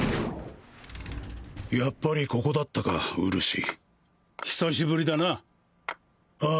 やっぱりここだったかうるし久しぶりだなあ